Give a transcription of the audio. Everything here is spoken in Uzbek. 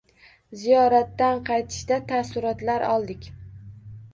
Ziyoratdan qaytishda taassurotlar oldik.